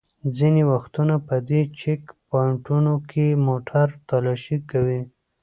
ځینې وختونه په دې چېک پواینټونو کې موټر تالاشي کوي.